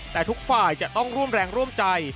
แต่ทุกฝ่ายจะต้องร่วมแรงร่วมใจ